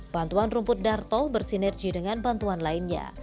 bantuan rumput darto bersinergi dengan bantuan lainnya